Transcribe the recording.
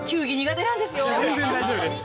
全然大丈夫です。